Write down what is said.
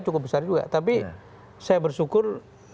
cukup besar juga tapi saya bersyukur